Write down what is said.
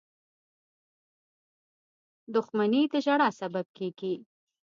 • دښمني د ژړا سبب کېږي.